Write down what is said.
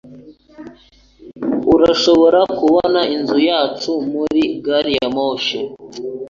Urashobora kubona inzu yacu muri gari ya moshi.